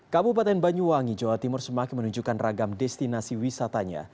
kabupaten banyuwangi jawa timur semakin menunjukkan ragam destinasi wisatanya